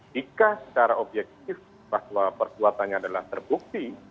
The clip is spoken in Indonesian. jika secara objektif bahwa perbuatannya adalah terbukti